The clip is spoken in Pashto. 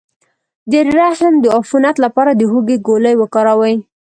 د رحم د عفونت لپاره د هوږې ګولۍ وکاروئ